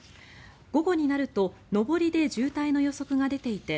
午後になると上りで渋滞の予測が出ていて